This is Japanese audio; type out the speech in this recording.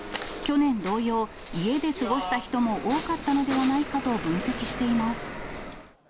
去年同様、家で過ごした人も多かったのではないかと分析しています。